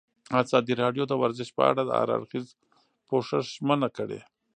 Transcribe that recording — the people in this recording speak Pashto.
ازادي راډیو د ورزش په اړه د هر اړخیز پوښښ ژمنه کړې.